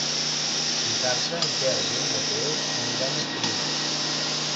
Dissabte en Quel i en Mateu aniran a Xulilla.